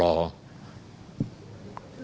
นะฮะ